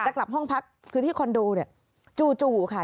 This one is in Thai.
กลับห้องพักคือที่คอนโดเนี่ยจู่จู่ค่ะ